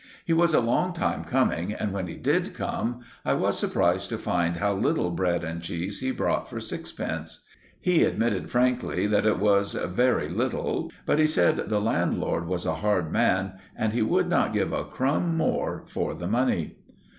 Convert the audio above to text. He was a long time coming, and, when he did come, I was surprised to find how little bread and cheese he brought for sixpence. Me admitted frankly that it was very little; but he said the landlord was a hard man and he would not give a crumb more for the money.